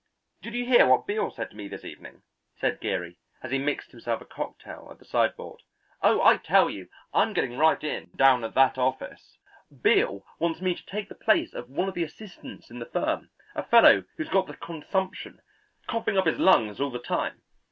"Did you hear what Beale said to me this evening?" said Geary, as he mixed himself a cocktail at the sideboard. "Oh, I tell you, I'm getting right in, down at that office. Beale wants me to take the place of one of the assistants in the firm, a fellow who's got the consumption, coughing up his lungs all the time.